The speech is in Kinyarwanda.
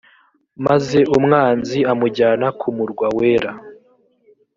maze umwanzi amujyana ku murwa wera